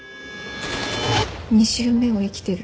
２周目を生きてる。